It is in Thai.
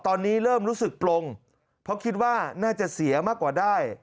ตอนนี้เริ่มรู้สึกปลงเพราะคิดว่าน่าจะเสียมากกว่าได้